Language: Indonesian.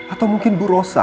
atau mungkin bu rosa